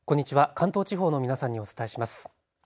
関東地方の皆さんにお伝えします。